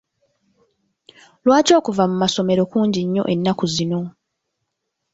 Lwaki okuva mu masomero kungi nnyo ennaku zino?